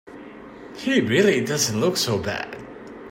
He really doesn't look so bad.